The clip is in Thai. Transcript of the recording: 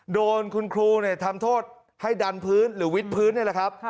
โดนคุณครูทำโทษให้ดันพื้นหรือวิทพื้นนี่แหละครับ